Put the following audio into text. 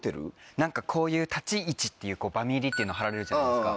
何かこういう立ち位置っていうバミリっていうの貼られるじゃないですか。